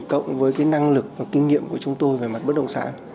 cộng với cái năng lực và kinh nghiệm của chúng tôi về mặt bất động sản